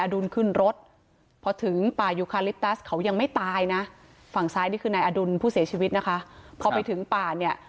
อดุลผู้เสียชีวิตนะคะเขาไปถึงป่าเนี้ย